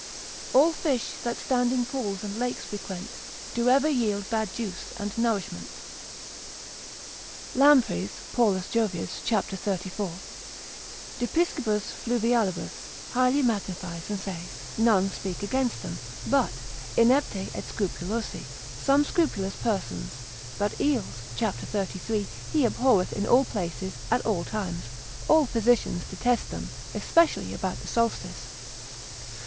All fish, that standing pools, and lakes frequent, Do ever yield bad juice and nourishment. Lampreys, Paulus Jovius, c. 34. de piscibus fluvial., highly magnifies, and saith, None speak against them, but inepti et scrupulosi, some scrupulous persons; but eels, c. 33, he abhorreth in all places, at all times, all physicians detest them, especially about the solstice.